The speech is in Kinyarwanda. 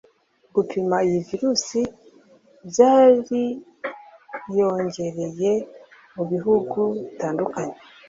Gupima iyi virusi byariyongereye mu bihugu bitandukanye